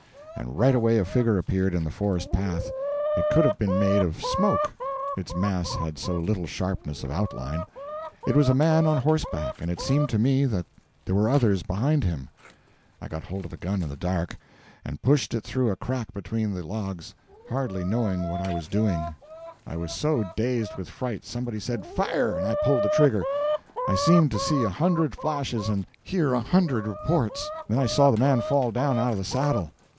And right away a figure appeared in the forest path; it could have been made of smoke, its mass had so little sharpness of outline. It was a man on horseback; and it seemed to me that there were others behind him. I got hold of a gun in the dark, and pushed it through a crack between the logs, hardly knowing what I was doing, I was so dazed with fright. Somebody said 'Fire!' I pulled the trigger. I seemed to see a hundred flashes and hear a hundred reports, then I saw the man fall down out of the saddle.